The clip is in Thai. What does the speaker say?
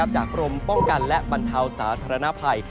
กรมป้องกันและบรรเทาสาธารณภัย